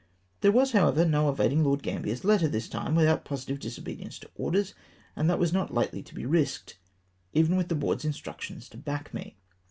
! There was, however, no evading Lord Gambler's letter this time without positive disobedience to orders, and that was not lightly to be risked, even with the Board's mstructions to back me.